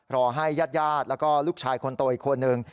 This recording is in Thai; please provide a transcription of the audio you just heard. รอให้ญาติแล้วก็ลูกชายคนตัวอีกคนหนึ่ง